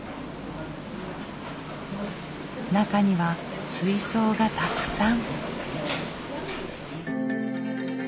中には水槽がたくさん。